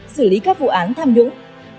xử lý các vụ án tham nhũng